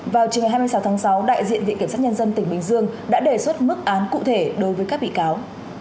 vào chiều ngày hai mươi sáu tháng sáu đại diện viện kiểm sát nhân dân tỉnh bình dương đã đề xuất mức án cụ thể đối với các bị cáo